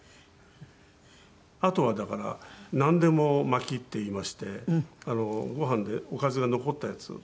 あとはだからなんでも巻きっていいましてご飯でおかずが残ったやつ。